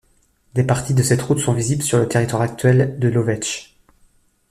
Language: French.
Des parties de cette route sont visibles sur le territoire actuel de Lovetch.